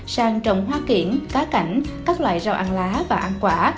sang trồng hoa kiển cá cảnh các loại rau ăn lá và ăn quả